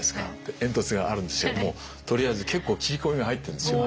煙突があるんですけどもとりあえず結構切り込みが入ってるんですよ。